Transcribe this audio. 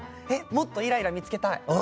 もっとイライラ見つけたい。